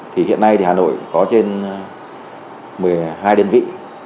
thì hiện nay thì hà nội có trên một mươi hai đơn vị